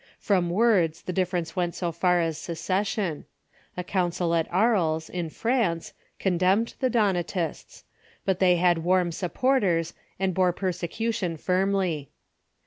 From words the difference went so far as secession. A council at Aries, in France, condemned the Donatists. But they had warm supporters, and bore persecution firmly.